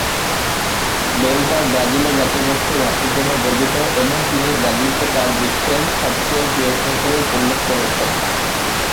Bell তার ব্রাজিলীয় জাতীগোষ্ঠীয় ধাঁচের জন্য গর্বিত, এবং তিনি ব্রাজিলকে তার বিশ্বের সবচেয়ে প্রিয় স্থান হিসেবে উল্লেখ করেছেন।